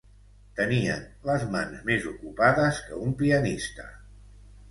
Tenien les mans més ocupades que un pianista.